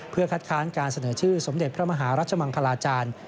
เพื่อคัดค้านการเสนอชื่อสมเด็จพระมหารัชมังคลาจารย์